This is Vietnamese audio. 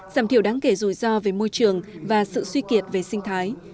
giảm thiểu đáng kể rủi ro về môi trường và sự suy kiệt về sinh thái